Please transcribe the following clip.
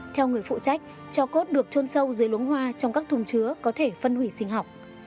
theo người phụ trách cho cốt được trôn sâu dưới luống hoa trong các thùng chứa có thể phân hủy sinh học